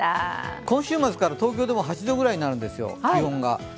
今週末から東京でも気温が８度ぐらいになるんですよ。